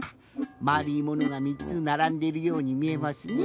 まるいものが３つならんでいるようにみえますね。